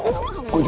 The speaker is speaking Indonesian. gue gak mau